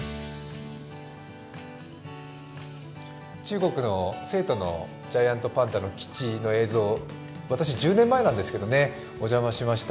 中国の成都のジャイアントパンダの基地の映像、私、１０年前なんですけど、お邪魔しました。